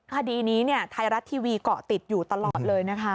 คดีนี้ไทยรัฐทีวีเกาะติดอยู่ตลอดเลยนะคะ